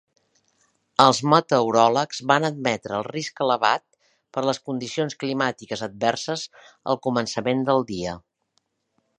Els meteoròlegs van admetre el risc elevat per les condicions climàtiques adverses al començament del dia.